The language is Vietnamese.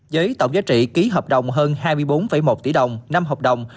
với tổng giá trị ký hợp đồng hơn hai mươi bốn một tỷ đồng năm hợp đồng